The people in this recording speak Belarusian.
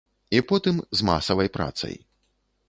І потым з масавай працай.